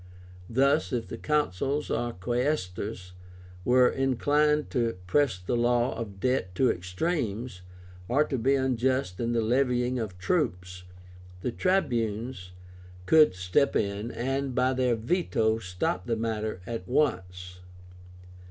Thus, if the Consuls or Quaestors were inclined to press the law of debt to extremes, or to be unjust in the levying of troops, the Tribunes could step in, and by their VETO stop the matter at once.